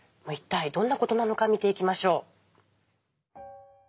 一体どんな事なのか見ていきましょう。